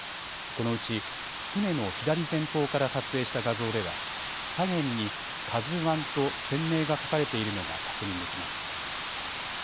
このうち、船の左前方から撮影した画像では左舷にＫＡＺＵＩと船名が書かれているのが確認できます。